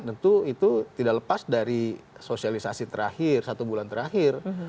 tentu itu tidak lepas dari sosialisasi terakhir satu bulan terakhir